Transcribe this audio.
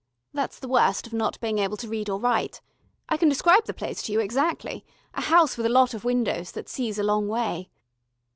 That's the worst of not being able to read or write. I can describe the place to you exactly, a house with a lot of windows, that sees a long way.